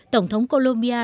tổng thống colombia